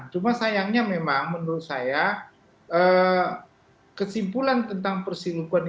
cuma sayangnya memang menurut saya kesimpulan tentang persingkuhan itu